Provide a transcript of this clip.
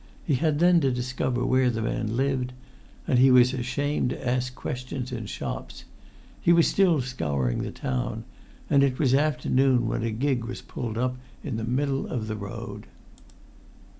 He had then to discover where the man lived, and he was ashamed to ask questions in shops. He was still scouring the town, and it was afternoon, when a gig was pulled up in the middle of the road.